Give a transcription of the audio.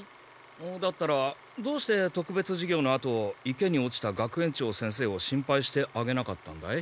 だったらどうして特別授業のあと池に落ちた学園長先生を心配してあげなかったんだい？